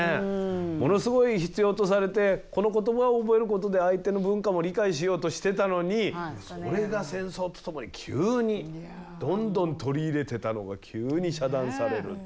ものすごい必要とされてこの言葉を覚えることで相手の文化も理解しようとしてたのにそれが戦争ってとこで急にどんどん取り入れてたのが急に遮断されるっていう。